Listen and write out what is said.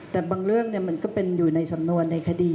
แต่บางเรื่องมันก็เป็นอยู่ในสำนวนในคดี